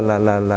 là là là